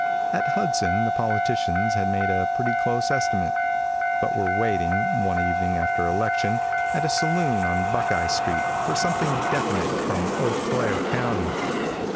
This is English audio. At Hudson the politicians had made a pretty close estimate, but were waiting, one evening after election, at a saloon on Buckeye street, for something definite from Eau Claire county.